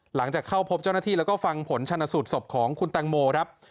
หลังจากเข้าพบเจ้าหน้าที่แล้วก็ฟังผลชนสูตรศพของคุณแตงโมครับ